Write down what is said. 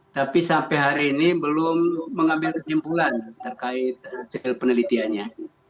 tapi sampai hari ini belum mengambil kesimpulan terkait hasil penelitiannya